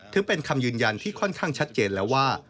ถือเป็นคำยืนยันที่ค่อนข้างชัดเจนแล้วว่า